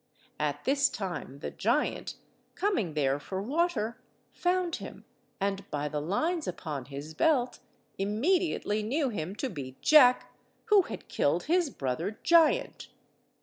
At this time the giant, coming there for water, found him, and by the lines upon his belt immediately knew him to be Jack, who had killed his brother giant.